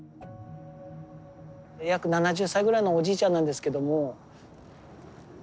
約７０歳ぐらいのおじいちゃんなんですけども。